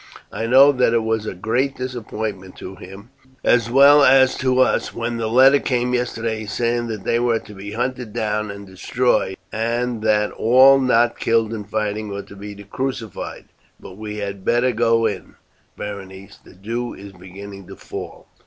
I know that it was a great disappointment to him, as well as to us, when the letter came yesterday saying that they were to be hunted down and destroyed, and that all not killed in fighting were to be crucified. But we had better go in, Berenice, the dew is beginning to fall."